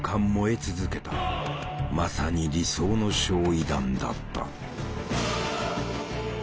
まさに理想の焼夷弾だった。